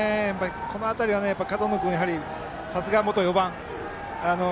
この辺りが門野君、さすが元４番。